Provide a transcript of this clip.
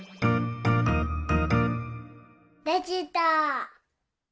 できた！